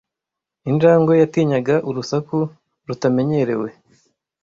Injangwe yatinyaga urusaku rutamenyerewe.